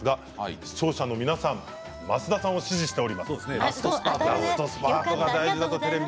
視聴者の皆さん増田さんを支持しております。